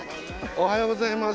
おはようございます！